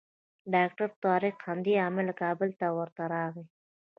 ډاکټر طارق همدې امله کابل ته ورته راغی.